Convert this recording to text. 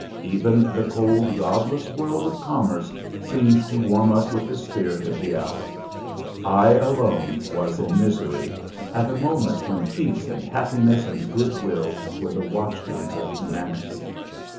Even the cold, godless world of commerce seemed to warm up with the spirit of the hour. I alone was in misery, at a moment when peace and happiness and good will were the watchwords of humanity.